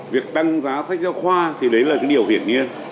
việc tăng giá sách giáo khoa thì đấy là cái điều hiển nhiên